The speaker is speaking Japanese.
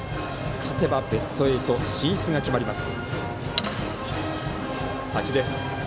勝てばベスト８進出が決まります。